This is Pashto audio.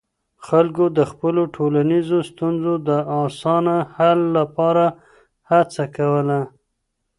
خلګو د خپلو ټولنيزو ستونزو د اسانه حل لپاره هڅه کوله.